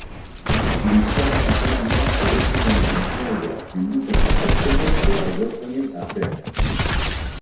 Liskarrak izan dira eraikinaren kanpoaldean bildutako pertsonen eta udaltzainen artean.